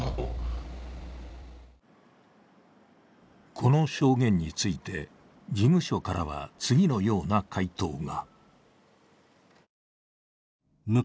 この証言について、事務所からは次のような回答が。